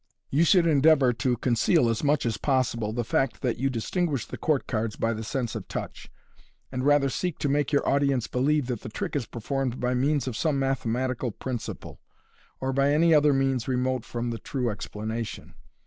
You should endeavour to conceal, as much as possible, the fact that you distinguish the court cards by the sense of touch, and rather seek to make your audience believe that the trick is performed bjr means of some mathematical principle, or by any other means remote from the true explanation.